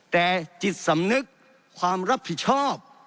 แต่จิตสำนึกความรับผิดชอบ